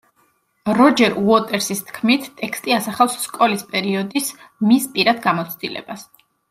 როჯერ უოტერსის თქმით ტექსტი ასახავს სკოლის პერიოდის მის პირად გამოცდილებას.